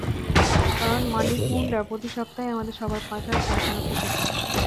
কারণ, মানিক মুণ্ডা প্রতি সপ্তাহে আমাদের সবার বাসার পায়খানা পরিষ্কার করত।